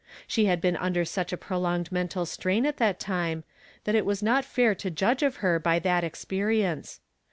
She liad heen under such a prolonged mental strain at that time, that it was not fair to judge of her by that experience.